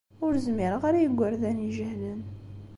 Ur zmireɣ ara i yigerdan ijehlen.